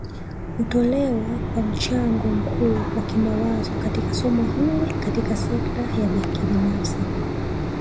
Hutolewa kwa mchango mkuu wa kimawazo katika somo hili Katika sekta ya kibinafsi